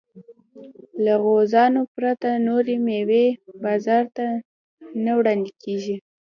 له غوزانو پرته نورې مېوې بازار ته نه وړاندې کېږي.